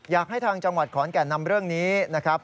อยากให้ทางจังหวัดขอนแก่นนำเรื่องนี้นะครับ